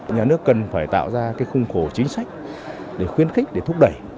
nhà nước cần phải tạo ra cái khung khổ chính sách để khuyến khích để thúc đẩy